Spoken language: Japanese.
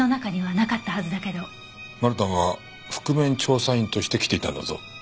マルタンは覆面調査員として来ていたんだぞ。